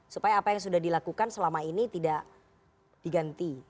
supaya apa yang sudah dilakukan selama ini tidak diganti